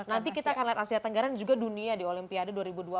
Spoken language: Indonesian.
nanti kita akan lihat asia tenggara dan juga dunia di olimpiade dua ribu dua puluh empat